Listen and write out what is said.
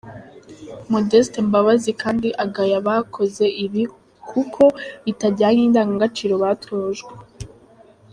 Modeste Mbabazi kandi agaya abakoze ibi, kuko bitajyanye n’indangagaciro batojwe.